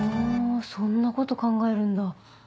そんなこと考えるんだ。